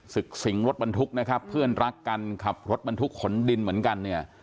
สิงรถบรรทุกนะครับเพื่อนรักกันขับรถบรรทุกขนดินเหมือนกันเนี่ย